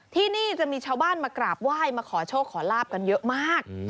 ที่นี่จะมีชาวบ้านมากราบไหว้มาขอโชคขอลาบกันเยอะมาก